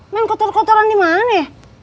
main kotoran di mana